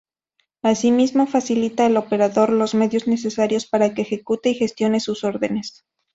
Asimismo, facilita al operador los medios necesarios para que ejecute y gestione sus órdenes.